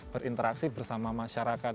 berinteraksi bersama masyarakat